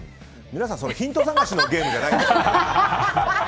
皆さん、ヒント探しのゲームじゃないんですよ。